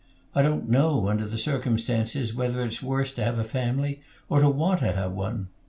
I don't know, under the circumstances, whether it's worse to have a family or to want to have one.